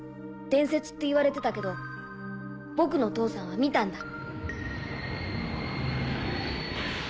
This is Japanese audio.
伝説っていわれてたけど僕の父さんは見たんだ。